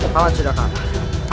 kalah sudah kalah